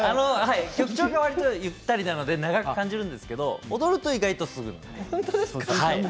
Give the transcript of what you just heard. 曲がわりとゆったりなので長く感じるんですけれども踊ると、すぐ。